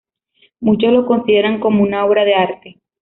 Muchos lo consideran como una obra de arte.